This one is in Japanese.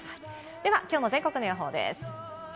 では、きょうの全国の予想です。